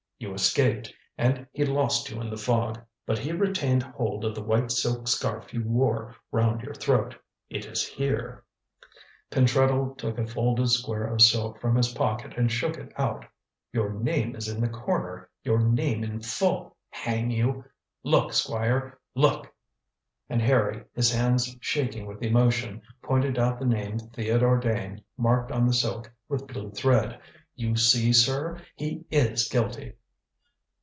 You escaped and he lost you in the fog. But he retained hold of the white silk scarf you wore round your throat. It is here." Pentreddle took a folded square of silk from his pocket and shook it out. "Your name is in the corner, your name in full, hang you! Look, Squire! look!" And Harry, his hands shaking with emotion, pointed out the name "Theodore Dane" marked on the silk, with blue thread. "You see, sir. He is guilty."